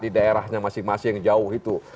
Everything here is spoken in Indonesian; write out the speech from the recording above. di daerahnya masing masing jauh itu